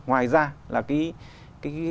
ngoài ra là cái